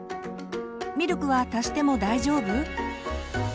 「ミルクは足しても大丈夫？」。